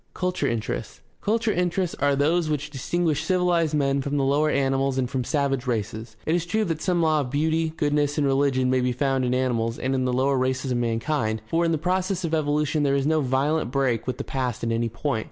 Culture interests. — Culture interests are those which distinguish civilized men from the lower animals and from savage races. It is true that some law of beauty, goodness, and religion may be found in animals and in the lower races of mankind, for in the process of evolution there is no violent break with the past at any point.